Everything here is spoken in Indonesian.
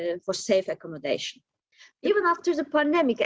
kami akan terus menginformasikan program sertifikasi turisme yang aman